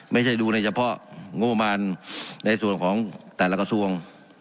ไม่ใช่ดูในเฉพาะงบประมาณในส่วนของแต่ละกระทรวง